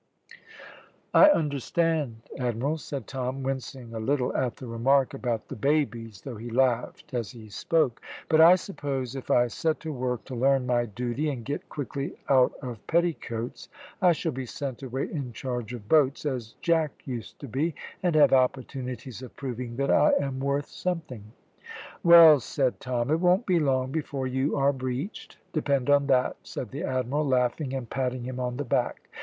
"I understand, Admiral," said Tom, wincing a little at the remark about the babies, though he laughed as he spoke; "but I suppose, if I set to work to learn my duty and get quickly out of petticoats, I shall be sent away in charge of boats, as Jack used to be, and have opportunities of proving that I am worth something." "Well said, Tom; it won't be long before you are breeched, depend on that," said the Admiral, laughing and patting him on the back.